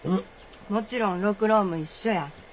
もちろん六郎も一緒や。